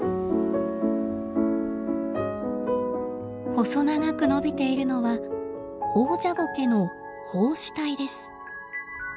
細長く伸びているのはオオジャゴケの胞子体です。